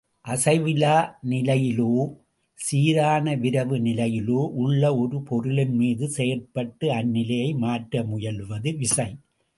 அசைவிலா நிலையிலோ சீரான விரைவு நிலையிலோ உள்ள ஒரு பொருளின் மீது செயற்பட்டு, அந்நிலையை மாற்ற முயலுவது விசை.